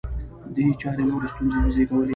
دې چارې نورې ستونزې وزېږولې